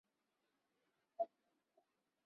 茨歇普林是德国萨克森州的一个市镇。